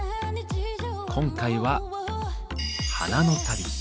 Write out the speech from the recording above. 今回は「花の旅」。